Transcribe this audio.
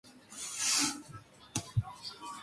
He lives in New Orleans with his wife and two children.